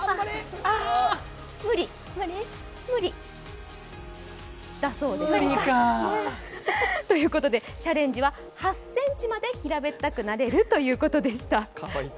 無理だそうです。ということで、チャレンジは８ｃｍまで平べったくなれるということでした。